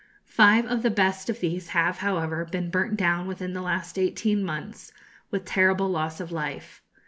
Five of the best of these have, however, been burnt down within the last eighteen months, with terrible loss of life.